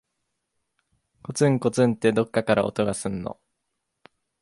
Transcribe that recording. こつんこつんって、どっかから音がすんの。